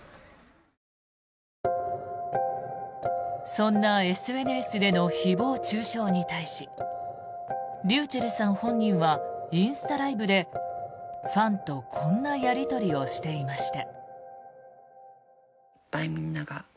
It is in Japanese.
そんなＳＮＳでの誹謗・中傷に対しｒｙｕｃｈｅｌｌさん本人はインスタライブでファンとこんなやり取りをしていました。